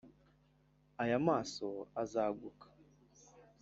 aya maso azaguka